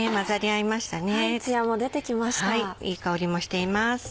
いい香りもしています。